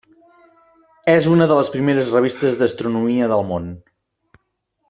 És una de les primeres revistes d'astronomia del món.